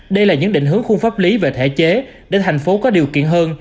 đây là những định hướng khung pháp lý về thể chế để thành phố có điều kiện hơn